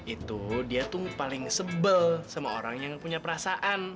itu dia tuh paling sebel sama orang yang punya perasaan